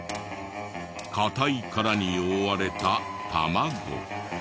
硬い殻に覆われた卵。